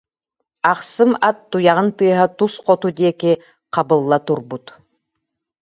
Ахсым ат туйаҕын тыаһа тус хоту диэки хабылла турбут